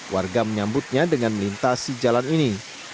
warga menyambutnya dengan melintasi jalan ini